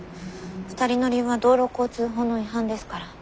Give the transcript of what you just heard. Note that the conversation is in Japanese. ２人乗りは道路交通法の違反ですから。